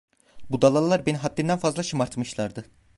Budalalar beni haddinden fazla şımartmışlardı.